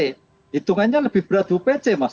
hitungannya lebih berat bupc mas